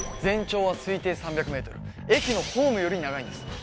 全長は推定３００ｍ駅のホームより長いんです